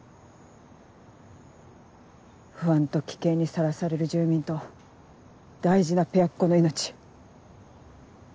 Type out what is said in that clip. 不安と危険にさらされる住民と大事なペアっ子の命。